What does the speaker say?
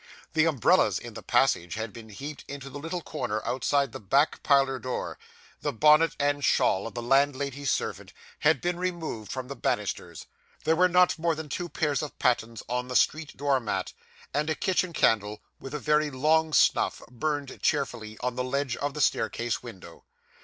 The umbrellas in the passage had been heaped into the little corner outside the back parlour door; the bonnet and shawl of the landlady's servant had been removed from the bannisters; there were not more than two pairs of pattens on the street door mat; and a kitchen candle, with a very long snuff, burned cheerfully on the ledge of the staircase window.